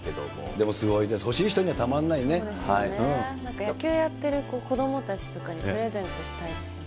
でもすごいです、欲しい人になんか、野球やってる子どもたちにプレゼントしたいですよね。